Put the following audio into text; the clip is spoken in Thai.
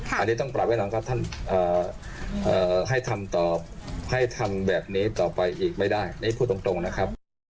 อันนี้ต้องปรับให้น้องครับท่านให้ทำแบบนี้ต่อไปอีกไม่ได้นี่พูดตรงนะครับ